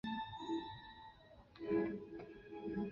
平远县大部分居民讲客家话。